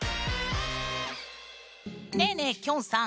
ねえねえきょんさん。